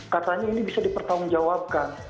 katanya ini bisa dipertanggungjawabkan